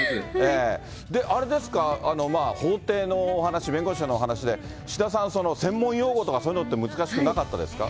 で、あれですか、法廷のお話、弁護士のお話で、志田さん、その、専門用語とかそういうのって難しくなかったですか？